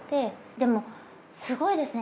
でもすごいですね